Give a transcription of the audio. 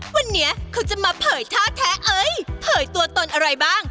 วันนี้เขาจะมาเผยท่าแท้เอ้ยเผยตัวตนอะไรบ้าง